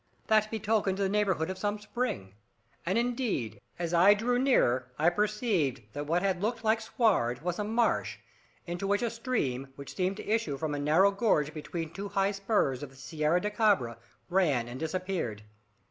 That betokened the neighbourhood of some spring, and, indeed, as I drew nearer I perceived that what had looked like sward was a marsh, into which a stream, which seemed to issue from a narrow gorge between two high spurs of the Sierra di Cabra, ran and disappeared.